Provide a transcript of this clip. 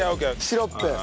シロップ。